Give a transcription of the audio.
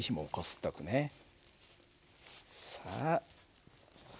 さあ。